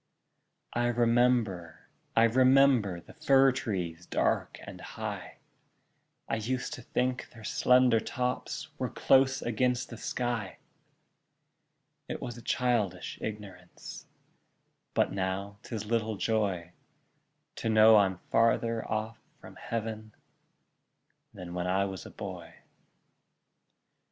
I remember, I remember, The fir trees dark and high; I used to think their slender tops Were close against the sky: It was a childish ignorance, But now 'tis little joy To know I'm farther off from Heav'n Than when I was a boy.